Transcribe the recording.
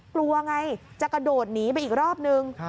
กลัวไงจะกระโดดหนีไปอีกรอบนึง